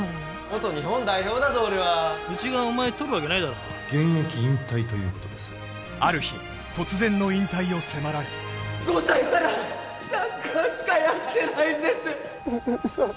元日本代表だぞ俺は・うちがお前とるわけないだろ現役引退ということですある日５歳からサッカーしかやってないんです